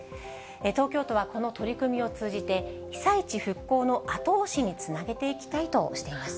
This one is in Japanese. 東京都はこの取り組みを通じて、被災地復興の後押しにつなげていきたいとしています。